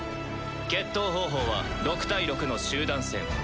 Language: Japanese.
決闘方法は６対６の集団戦。